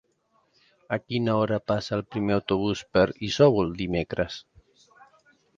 A quina hora passa el primer autobús per Isòvol dimecres?